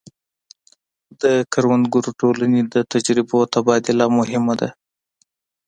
د کروندګرو ټولنې د تجربو تبادله مهمه ده.